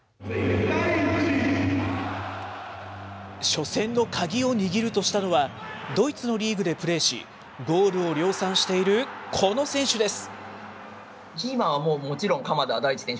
初戦の鍵を握るとしたのは、ドイツのリーグでプレーし、ゴールを量産しているこの選手です。